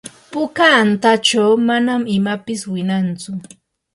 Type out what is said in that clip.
puka antachaw manan imapis winantsu.